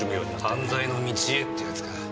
犯罪の道へってやつか。